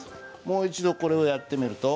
もう一度これをやってみると。